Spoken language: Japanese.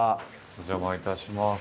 お邪魔いたします。